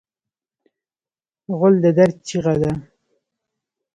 غول د درد چیغه ده.